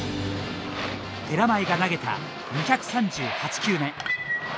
寺前が投げた２３８球目。